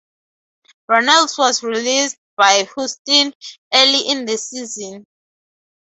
Runnels was released by Houston early in the season.